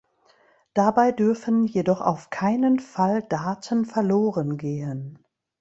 Dabei dürfen jedoch auf keinen Fall Daten verloren gehen.